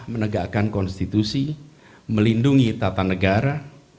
menegakkan konstitusi melindungi tata negara